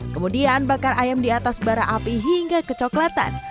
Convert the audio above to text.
kemudian bakar ayam di atas bara api hingga kecoklatan